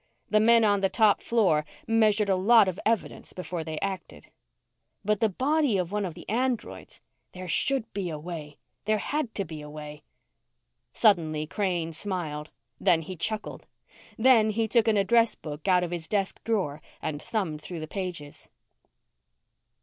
The men on the top floor measured a lot of evidence before they acted. But the body of one of the androids there should be a way there had to be a way. Suddenly Crane smiled. Then he chuckled. Then he took an address book out of his desk drawer and thumbed through the pages.